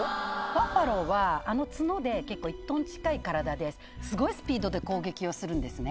バッファローはあの角で結構１ｔ近い体ですごいスピードで攻撃をするんですね